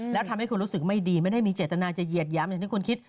แล้วทำให้คุณรู้สึกไม่ดีไม่ได้มีเจตนาจะเหยียดย้ำอย่างที่คุณคิด